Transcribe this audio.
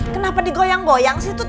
kenapa digoyang goyang sih